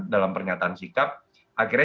dalam pernyataan sikap akhirnya